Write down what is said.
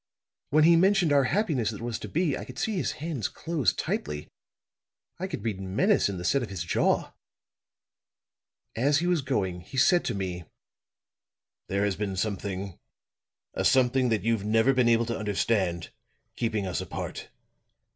When he mentioned our happiness that was to be, I could see his hands close tightly, I could read menace in the set of his jaw. As he was going, he said to me: "'There has been something a something that you've never been able to understand keeping us apart.